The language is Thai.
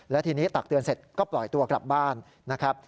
และทีนี้ตักเตือนเสร็จก็ปล่อยตัวกลับบ้านนะครับ